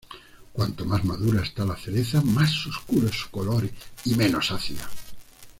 Cuanto más madura está la cereza más oscuro es su color y menos ácida.